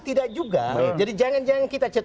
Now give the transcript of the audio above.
tidak juga jadi jangan kita cerita